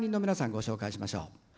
ご紹介していきましょう。